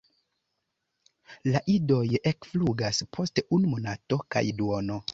La idoj ekflugas post unu monato kaj duono.